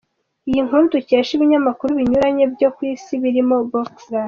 Iyi nkuru dukesha ibinyamakuru binyuranye byo ku isi birimo Boxrec.